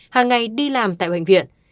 hàng ngày đi làm tại bệnh viện